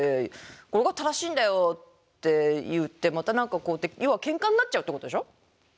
「これが正しいんだよ」って言ってまた何かこうやって要はケンカになっちゃうってことでしょ？